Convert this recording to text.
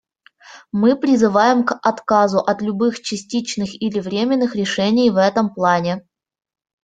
Мы призываем к отказу от любых частичных или временных решений в этом плане.